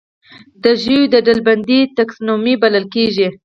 د ژویو ډلبندي ټکسانومي بلل کیږي